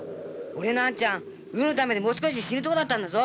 俺のあんちゃんウーのためにもう少しで死ぬとこだったんだぞ。